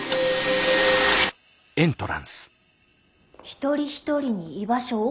「一人一人に居場所を」。